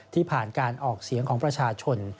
ที่ผ่านการออกเสียงของประชาชน